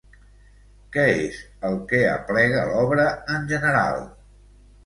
Què és el que aplega l'obra en general?